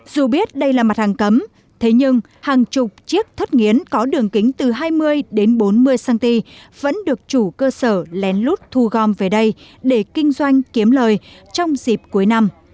dù biết đây là mặt hàng cấm thế nhưng hàng chục chiếc thất nghiến có đường kính từ hai mươi đến bốn mươi cm vẫn được chủ cơ sở lén lút thu gom về đây để kinh doanh kiếm lời trong dịp cuối năm